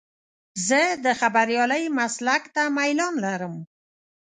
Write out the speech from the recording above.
زه د خبریالۍ مسلک ته میلان لرم.